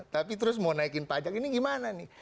tapi terus mau naikin pajak ini gimana nih